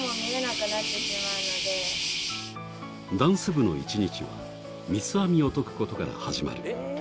ダンス部の１日は三つ編みを解くことから始まる。